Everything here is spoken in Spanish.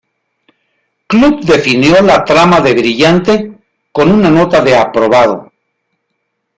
Club definió la trama de "brillante" con una nota de "aprobado".